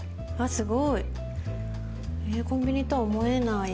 コンビニとは思えない。